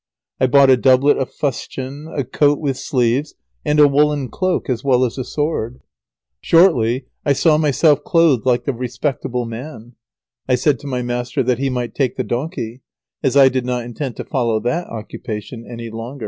I bought a doublet of fustian, a coat with sleeves, and a woollen cloak, as well as a sword. Shortly I saw myself clothed like a respectable man. I said to my master that he might take the donkey, as I did not intend to follow that occupation any longer.